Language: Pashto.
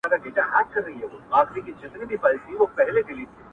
• پېغلي څنگه د واده سندري وايي,